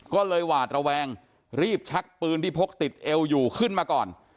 ก็เลยหวาดระแวงรีบชักปืนที่พกติดเอวอยู่ขึ้นมาก่อน